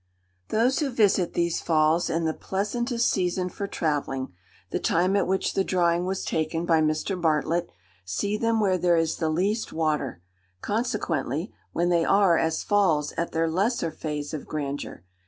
Those who visit these Falls in the pleasantest season for travelling, (the time at which the drawing was taken by Mr. Bartlett,) see them when there is the least water; consequently, when they are (as falls) at their lesser phase of grandeur.